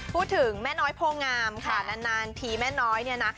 พูดถึงแม่น้อยโพงามค่ะนานทีแม่น้อยเนี่ยนะ